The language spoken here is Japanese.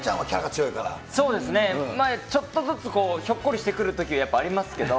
そうですね、ちょっとずつひょっこりしてくるときがやっぱりありますけど。